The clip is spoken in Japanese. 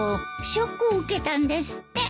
ショックを受けたんですって。